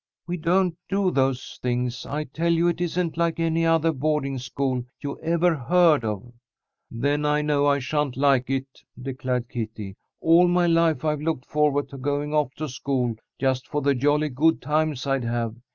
"We don't do those things. I tell you it isn't like any other boarding school you ever heard of." "Then I know I sha'n't like it," declared Kitty. "All my life I've looked forward to going off to school just for the jolly good times I'd have.